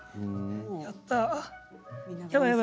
やったあ。